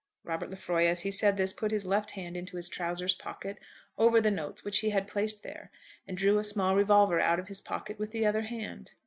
Robert Lefroy as he said this put his left hand into his trousers pocket over the notes which he had placed there, and drew a small revolver out of his pocket with the other hand.